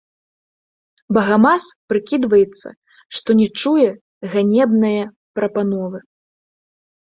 Багамаз прыкідваецца, што не чуе ганебнае прапановы.